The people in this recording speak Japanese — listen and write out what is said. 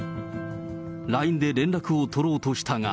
ＬＩＮＥで連絡を取ろうとしたが。